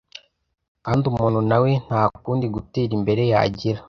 kandi umuntu nawe nta kundi gutera imbere yagira